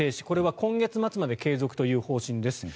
これは今月末まで継続という方針です。